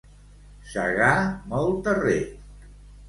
Segar molt terrer.